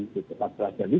itu tepat selesai